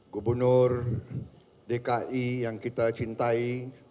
gubernur dki yang kita cintai